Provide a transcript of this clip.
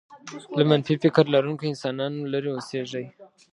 له منفي فکر لرونکو انسانانو لرې اوسېږئ.